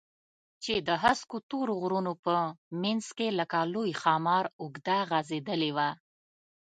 چې د هسکو تورو غرونو په منځ کښې لکه لوى ښامار اوږده غځېدلې وه.